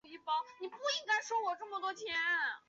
女性仍负担家庭照顾的主要角色